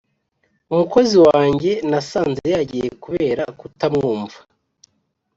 Umukozi wanjye nasanze yagiye kubera kutamwumva